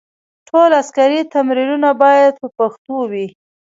ټول عسکري تمرینونه باید په پښتو وي.